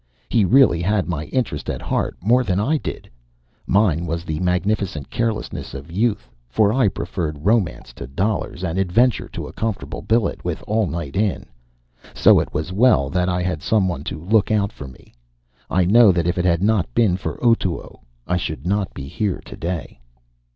He really had my interest at heart more than I did. Mine was the magnificent carelessness of youth, for I preferred romance to dollars, and adventure to a comfortable billet with all night in. So it was well that I had some one to look out for me. I know that if it had not been for Otoo, I should not be here today.